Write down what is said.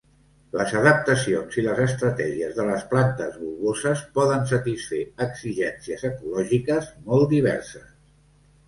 Les adaptacions i les estratègies de les plantes bulboses poden satisfer exigències ecològiques molt diverses.